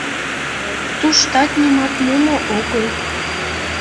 Туштат нимат мумо огыл.